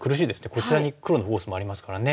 こちらに黒のフォースもありますからね。